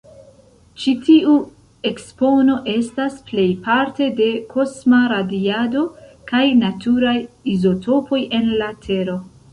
Ĉi tiu ekspono estas plejparte de kosma radiado kaj naturaj izotopoj en la Tero.